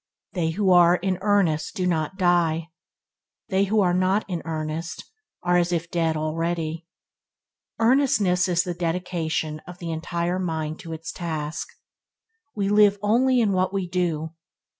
They who are in earnest do not die; they who are not in earnest are as if dead already". Earnestness is the dedication of the entire mind to its task. We live only in what we do.